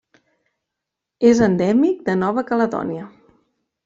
És endèmic de Nova Caledònia.